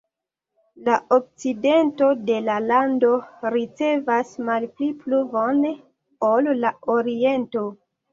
La okcidento de la lando ricevas malpli pluvon ol la oriento.